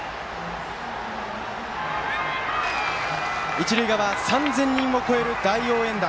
一塁側３０００人を超える大応援団。